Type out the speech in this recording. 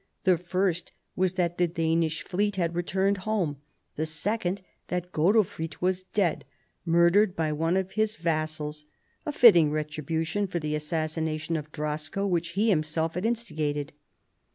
The first was that the Danish fleet had returned home : the second that Godofrid was dead, murdered by one of his vassals, a fitting retribution for the assassination of Drasko, which he himself had instigated.